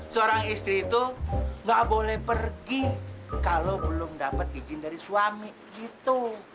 seorang istri itu nggak boleh pergi kalau belum dapat izin dari suami gitu